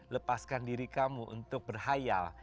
lepaskan diri kamu untuk berhayal